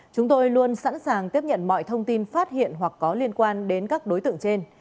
chúng tôi luôn sẵn sàng tiếp nhận mọi thông tin phát hiện hoặc có liên quan đến các đối tượng trên